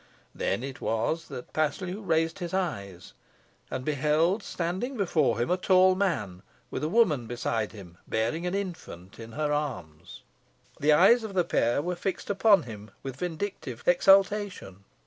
Then it was that Paslew raised his eyes, and beheld standing before him a tall man, with a woman beside him bearing an infant in her arms. The eyes of the pair were fixed upon him with vindictive exultation.